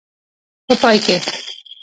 په پای کې.